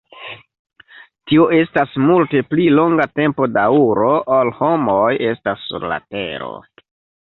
Tio estas multe pli longa tempodaŭro, ol homoj estas sur la Tero.